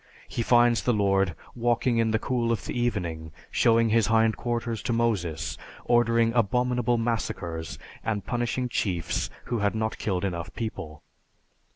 He finds the Lord walking in the cool of the evening, showing his hind quarters to Moses, ordering abominable massacres, and punishing chiefs who had not killed enough people.